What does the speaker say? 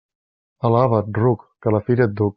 Alaba't, ruc, que a la fira et duc.